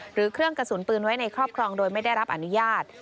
หรือเครื่องกระสุนปืนไว้ในครอบครองโดยไม่ได้รับอนุญาต